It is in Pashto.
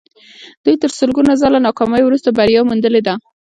دوی تر سلګونه ځله ناکامیو وروسته بریا موندلې ده